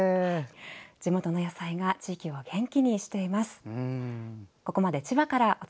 地元の野菜が地域を元気にしています。